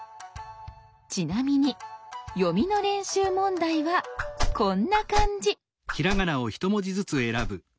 ちなみに読みの練習問題はこんな感じ。